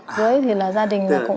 với thì là gia đình nó cũng